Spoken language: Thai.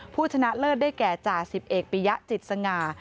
ชนะเลิศได้แก่จ่าสิบเอกปียะจิตสง่า